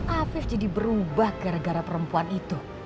afif jadi berubah gara gara perempuan itu